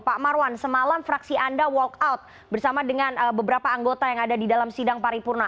pak marwan semalam fraksi anda walk out bersama dengan beberapa anggota yang ada di dalam sidang paripurna